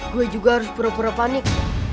gue juga harus pura pura panik